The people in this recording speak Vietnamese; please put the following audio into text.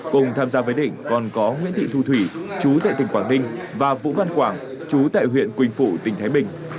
cùng tham gia với đỉnh còn có nguyễn thị thu thủy chú tại tỉnh quảng ninh và vũ văn quảng chú tại huyện quỳnh phụ tỉnh thái bình